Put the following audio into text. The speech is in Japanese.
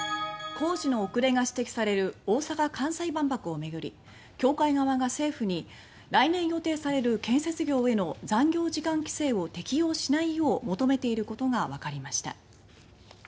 工事の遅れが指摘される大阪・関西万博を巡り協会側が政府に来年予定される建設業への残業時間規制を適用しないよう求めていることがわかりました。